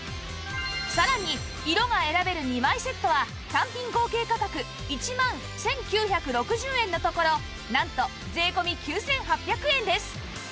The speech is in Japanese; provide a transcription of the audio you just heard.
さらに色が選べる２枚セットは単品合計価格１万１９６０円のところなんと税込９８００円です